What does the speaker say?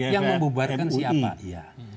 yang membubarkan siapa